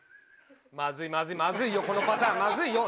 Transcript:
まずいまずいまずいよこのパターンまずいよねぇ。